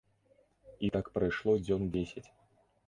І так прайшло дзён дзесяць.